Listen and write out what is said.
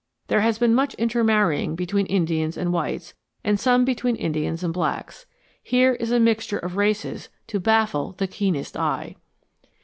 There has been much intermarrying between Indians and whites, and some between Indians and blacks. Here is a mixture of races to baffle the keenest eye.